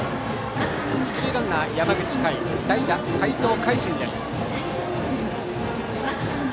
一塁ランナー、山口魁代打、齊藤開心です。